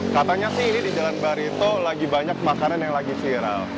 katanya sih ini di jalan barito lagi banyak makanan yang lagi viral